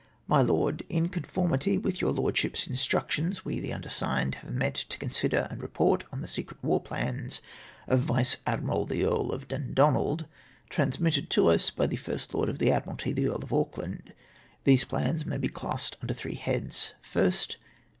My Loed, — In conformity with your Lordship's instruc tions, we, the undersigned, have met to consider and report on the secret war plans of Vice Admiral the Earl of Dun donald, transmitted to us by the First Lord of the Admiralty, the Earl of Auckland. " These plans may be classed under three heads :—" 1st.